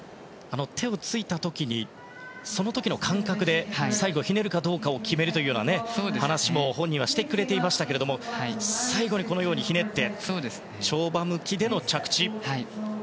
手をついた時にその時の感覚で最後、ひねるかどうかを決めるという話も本人はしてくれていましたが最後に、ひねって跳馬向きでの着地でした。